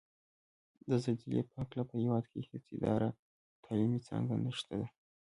د زلزلې په هکله په هېواد کې هېڅ اداره او تعلیمي څانګه نشته ده